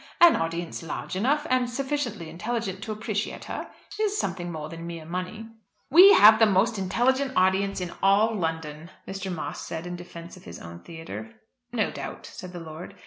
An audience large enough, and sufficiently intelligent to appreciate her, is something more than mere money." "We have the most intelligent audience in all London," Mr. Moss said in defence of his own theatre. "No doubt," said the lord.